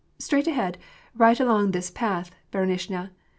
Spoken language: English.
straight ahead! right along this path, bimishnya.